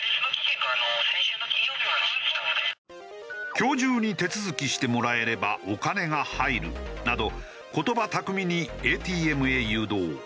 「今日中に手続きしてもらえればお金が入る」など言葉巧みにＡＴＭへ誘導。